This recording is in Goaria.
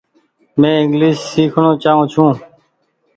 مين انگليش سيکڻو چآئو ڇون ۔